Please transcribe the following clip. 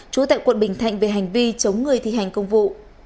trú tại quận bình thạnh về hành vi chống người thi hành công vụ